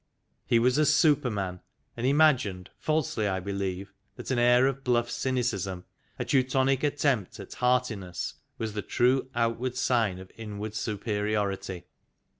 He was a super man, and imagined, falsely I believe, that an air of bluff cynicism, a Teutonic attempt at heartiness, was the true outward sign of inward superiority.